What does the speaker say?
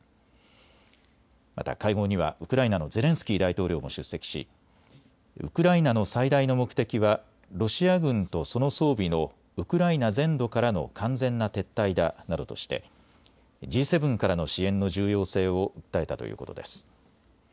また会合にはウクライナのゼレンスキー大統領も出席しウクライナの最大の目的はロシア軍とその装備のウクライナ全土からの完全な撤退だなどとしてＧ７からの支援の重要性を訴えたということです。